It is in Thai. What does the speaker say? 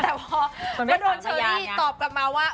แต่พอก็โดนเชอรี่ตอบกลับมาว่า